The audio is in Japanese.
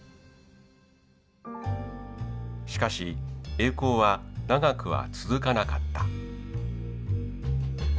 しかし栄光は長くは続かなかった。